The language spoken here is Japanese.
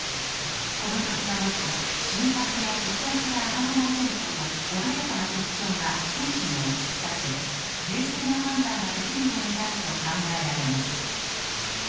この曲が持つ「心拍や血圧が上がらないテンポ」と「穏やかな曲調」が精神を落ち着かせ冷静な判断ができるようになると考えられます。